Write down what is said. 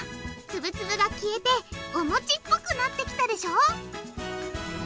ツブツブが消えておもちっぽくなってきたでしょ？